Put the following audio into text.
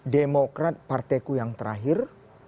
demokrat partai ku yang terakhir